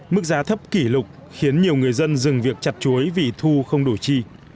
mức giá thấp kỷ lục khiến nhiều người dân dừng việc chặt chuối vì thu không đủ chi